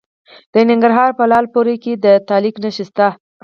د ننګرهار په لعل پورې کې د تالک نښې شته.